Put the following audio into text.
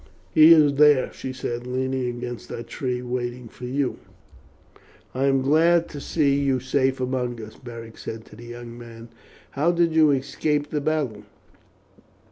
"He is there," she said, "leaning against that tree waiting for you." "I am glad to see you safe among us," Beric said to the young man. "How did you escape the battle?"